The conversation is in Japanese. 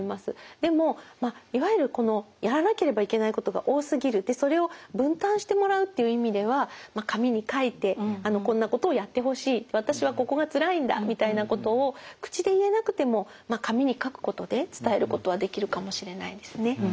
でもまあいわゆるこのやらなければいけないことが多すぎるでそれを分担してもらうっていう意味では紙に書いてこんなことをやってほしい私はここがつらいんだみたいなことを口で言えなくても紙に書くことで伝えることはできるかもしれないですね。